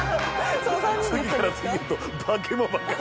次から次へと化け物ばっかり。